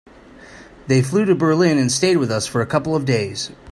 They flew to Berlin and stayed with us for a couple of days.